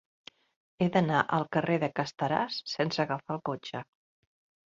He d'anar al carrer de Casteràs sense agafar el cotxe.